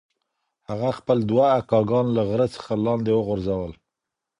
هغه خپل دوه اکاګان له غره څخه لاندې وغورځول.